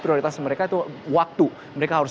prioritas mereka itu waktu mereka harus